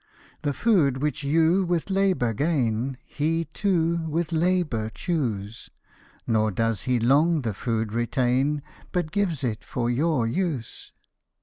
" The food which you with labour gain, He too with labour chews ; Nor does he long the food retain, But gives it for your use.